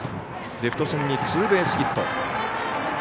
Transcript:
レフト線にツーベースヒット。